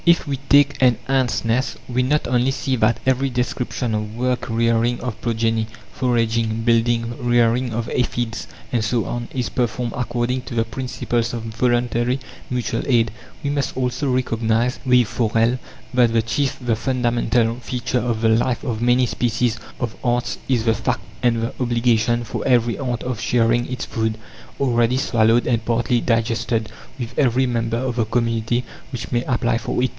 (6) If we take an ants' nest, we not only see that every description of work rearing of progeny, foraging, building, rearing of aphides, and so on is performed according to the principles of voluntary mutual aid; we must also recognize, with Forel, that the chief, the fundamental feature of the life of many species of ants is the fact and the obligation for every ant of sharing its food, already swallowed and partly digested, with every member of the community which may apply for it.